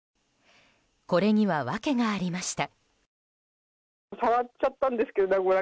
これには訳がありました。